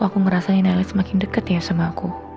kok aku ngerasa nailah semakin deket ya sama aku